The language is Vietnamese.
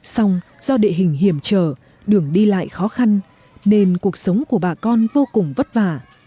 xong do địa hình hiểm trở đường đi lại khó khăn nên cuộc sống của bà con vô cùng vất vả